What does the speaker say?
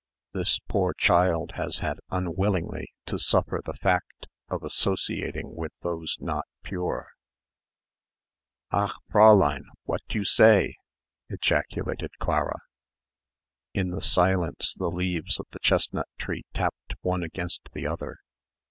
"This poor child has had unwillingly to suffer the fact of associating with those not pure." "Ach, Fräulein! What you say!" ejaculated Clara. In the silence the leaves of the chestnut tree tapped one against the other.